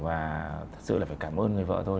và thực sự là phải cảm ơn người vợ thôi